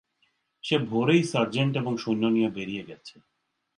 সে ভোরেই সার্জেন্ট এবং সৈন্য নিয়ে বেরিয়ে গেছে।